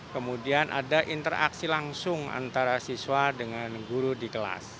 kemudian ada interaksi langsung antara siswa dengan guru di kelas